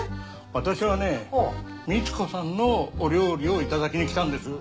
私はねみち子さんのお料理をいただきに来たんです。